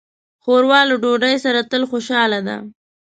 ښوروا له ډوډۍ سره تل خوشاله ده.